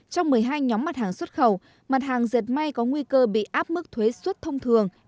trong một mươi hai nhóm mặt hàng xuất khẩu mặt hàng dệt may có nguy cơ bị áp mức thuế xuất thông thường